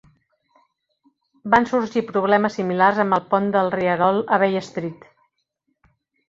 Van sorgir problemes similars amb el pont del rierol a Bay Street.